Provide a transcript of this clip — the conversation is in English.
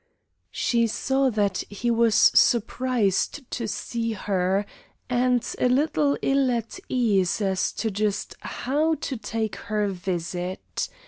She saw that he was surprised to see her, and a little ill at ease as to just how to take her visit.